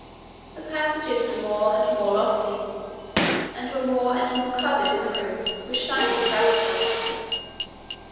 The passages grew more and more lofty, and were more and more covered in the roof with shining stalactites.